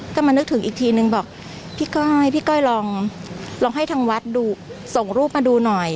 ก็มานึกถึงอีกทีนึงบอกพี่ก้อยพี่ก้อยลองให้ทางวัดดูส่งรูปมาดูหน่อย